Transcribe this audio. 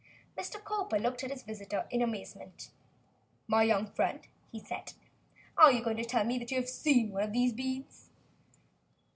Mr. Cowper looked at his visitor in amazement. "My young friend," he said, "are you going to tell me that you have seen one of these beans?"